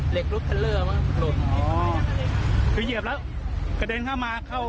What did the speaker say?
เหล็กรถแทรวเลอร์มาหลดอ๋อคือเหยียบแล้วกระเด็นเข้ามาเข้า